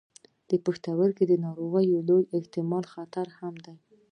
د پښتورګو د ناروغیو لوی احتمالي خطر هم دی.